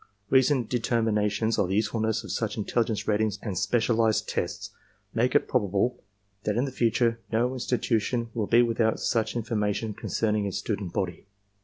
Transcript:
Recent determinations of the usefulness of such intelligence ratings and specialized tests make it probable that in the future no institution will be without such information concerning its student body.